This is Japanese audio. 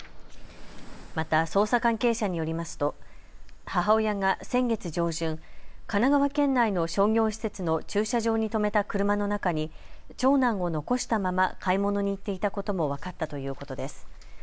また捜査関係者によりますと母親が先月上旬、神奈川県内の商業施設の駐車場に止めた車の中に長男を残したまま買い物に行っていたことも分かったということです。